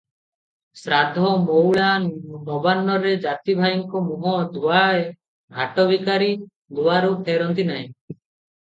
ଶ୍ରାଦ୍ଧ, ମଉଳା, ନବାନ୍ନରେ ଜାତିଭାଇଙ୍କ ମୁହଁ ଧୁଆଏ, ଭାଟ ଭିକାରୀ ଦୁଆରୁ ଫେରନ୍ତି ନାହିଁ ।